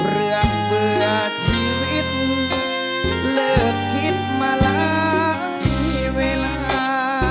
เรื่องเบื่อชีวิตเลือกคิดมาแล้วให้เวลา